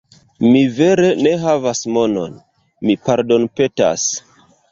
Mi vere ne havas monon, mi pardonpetas